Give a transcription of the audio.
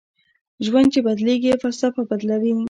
ژوند چې بدلېږي فلسفه بدلوي